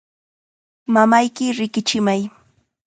Mamayki riqichimay.